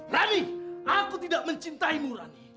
rani aku tidak mencintaimu rani